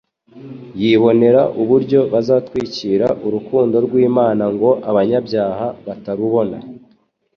Yibonera uburyo bazatwikira urukundo rw'Imana ngo abanyabyaha batarubona,